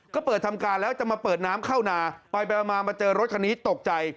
ก็เปิดทำการแล้วจะมาเปิดน้ำเข้านาไปมามาเจอรถคันนี้ตกใจ